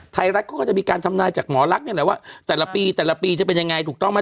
ไทยรัฐเขาก็จะมีการทำนายจากหมอลักษณ์นี่แหละว่าแต่ละปีแต่ละปีจะเป็นยังไงถูกต้องไหม